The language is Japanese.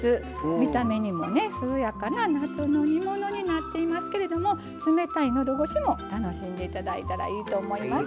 見た目にも涼やかな夏の煮物になっていますけれども冷たいのどごしも楽しんでいただいたらいいと思います。